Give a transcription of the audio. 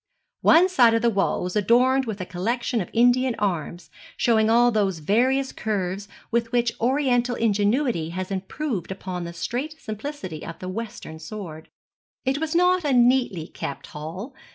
One side of the wall was adorned with a collection of Indian arms, showing all those various curves with which oriental ingenuity has improved upon the straight simplicity of the western sword. It was not a neatly kept hall.